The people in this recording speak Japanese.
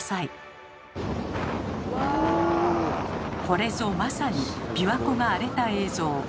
これぞまさに琵琶湖が荒れた映像。